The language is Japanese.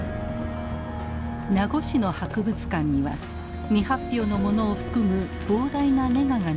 名護市の博物館には未発表のものを含む膨大なネガが眠っています。